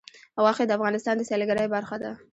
غوښې د افغانستان د سیلګرۍ برخه ده.